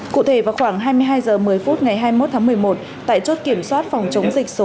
cụ thể vào khoảng hai mươi hai h một mươi phút ngày hai mươi một tháng một mươi một tại chốt kiểm soát phòng chống dịch số một